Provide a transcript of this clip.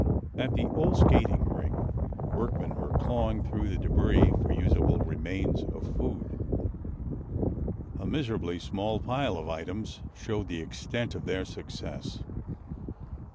At the old skating rink, workmen were clawing through the debris for usable remains of food. A miserably small pile of items showed the extent of their success.